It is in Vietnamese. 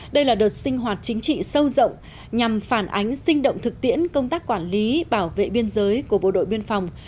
đây là đợt sinh hoạt chính trị sâu rộng nhằm phản ánh sinh động thực tiễn công tác quản lý bảo vệ biên giới của bộ đội biên phòng